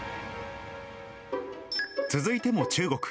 続いても中国。